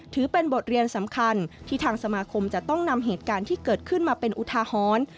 ถือเป็นบทเรียนสำคัญที่ทางสมาคมจะต้องนำเหตุการณ์ที่เกิดขึ้นมาเป็นอุทาหรณ์